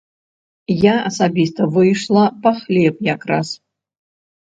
Я асабіста выйшла па хлеб якраз.